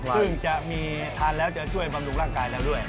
ซึ่งจะมีทานแล้วจะช่วยบำรุงร่างกายเราด้วย